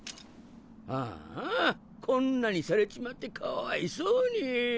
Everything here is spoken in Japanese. ああこんなにされちまって可哀想に。